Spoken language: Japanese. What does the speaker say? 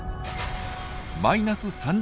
マイナス３０